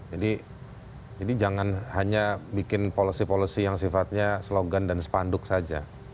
jadi jangan hanya bikin policy policy yang sifatnya slogan dan sepanduk saja